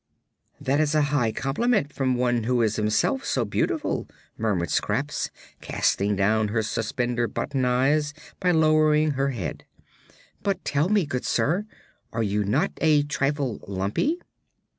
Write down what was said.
"That is a high compliment from one who is himself so beautiful," murmured Scraps, casting down her suspender button eyes by lowering her head. "But, tell me, good sir, are you not a trifle lumpy?"